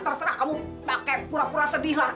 terserah kamu pakai pura pura sedihlah